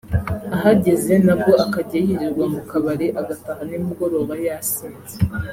ahageze nabwo akajya yirirwa mu kabari agataha nimugoroba yasinze